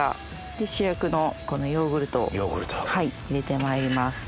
で主役のこのヨーグルトを入れてまいります。